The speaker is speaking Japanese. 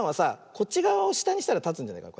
こっちがわをしたにしたらたつんじゃないかな。